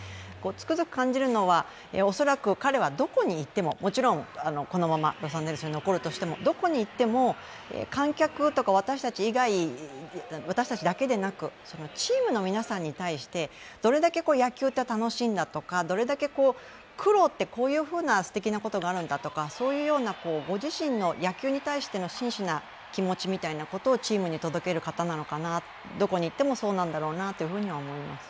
つくづく感じるのは、恐らく彼はどこに行っても、もちろん、このままロサンゼルスに残るとしても、どこに行っても観客とか私たちだけでなく、チームの皆さんに対して、どれだけ野球って楽しいんだとか、どれだけ苦労ってこういうふうなすてきなことがあるんだとか、そういうご自身の野球に対しての真摯な気持ちみたいなものをチームに届ける方なのかな、どこに行ってもそうなんだろうなと思います。